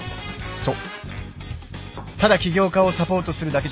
そう。